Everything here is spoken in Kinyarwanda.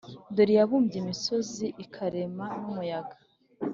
Dore iyabumbye imisozi ikarema n umuyaga